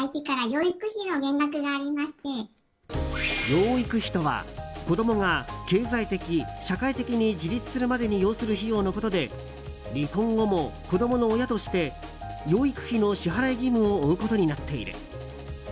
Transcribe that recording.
養育費とは、子供が経済的・社会的に自立するまでに要する費用のことで離婚後も、子供の親として養育費の支払い義務を負うことになっている。